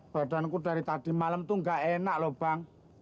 badanku dari tadi malam tuh nggak enak loh bang